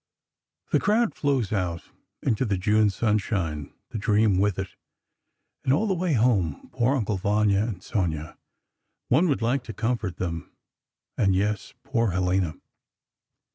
The crowd flows out into the June sunshine, the dream with it ... and all the way home. Poor Uncle Vanya and Sonia ... one would like to comfort them ... and, yes, poor Helena...!